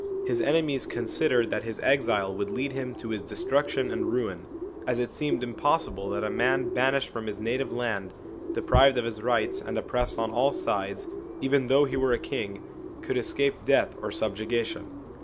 His enemies considered that his exile would lead to his destruction and ruin, as it seemed impossible that a man banished from his native land, deprived of his rights, and oppressed on all sideseven though he were a king could escape death or subjugation.